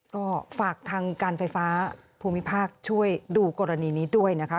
ก็ฝากทางการไฟฟ้าภูมิภาคช่วยดูกรณีนี้ด้วยนะคะ